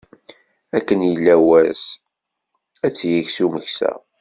Akken yella wass, ad t-iks umeksa.